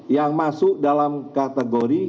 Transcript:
yang masuk dalam kategori